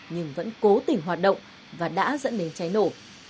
nhưng vẫn cố tình hoạt động và đã dẫn đến cháy nổ